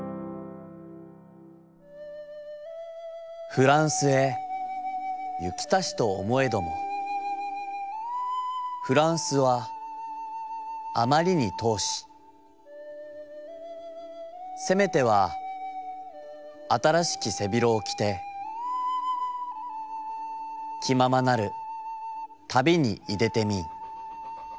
「ふらんすへ行きたしと思へどもふらんすはあまりに遠しせめては新しき背廣をきてきままなる旅にいでてみん。